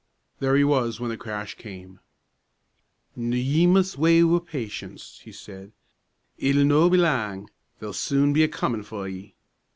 There he was when the crash came. "Noo ye mus' wait wi' patience," he said. "It'll no' be for lang; they'll soon be a comin' for ye.